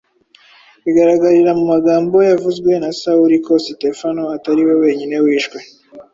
Bigaragarira mu magambo yavuzwe na Sawuli ko Sitefano atari we wenyine wishwe.